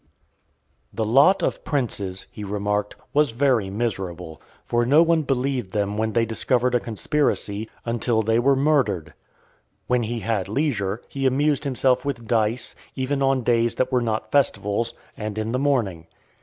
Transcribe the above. XXI. "The lot of princes," he remarked, "was very miserable, for no one believed them when they discovered a conspiracy, until they were murdered." When he had leisure, he amused himself with dice, even on days that were not festivals, and in the morning.